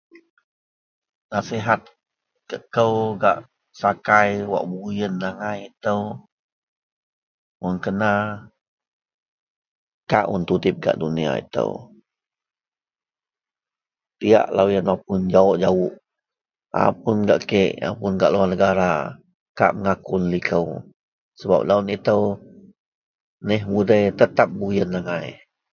Nasihat kou gak sakai wak buyen angai ito mun kena kak un tudip dak duniya ito, diyak loyen mapoun jawok-jawok mapuon gak kek mapun gak luwar negara kak mengakun liko sebab loyen ito neh mudei tetep buyen angai.